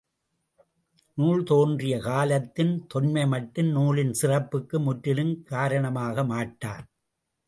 நூல் தோன்றிய காலத்தின் தொன்மைமட்டும் நூலின் சிறப்புக்கு முற்றிலும் காரணமாகமாட்டா.